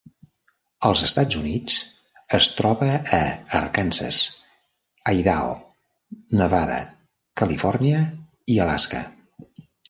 Als Estats Units es troba a Arkansas, Idaho, Nevada, Califòrnia i Alaska.